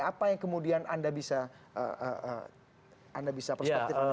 apa yang kemudian anda bisa perspektifkan